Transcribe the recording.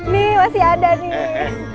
nih masih ada nih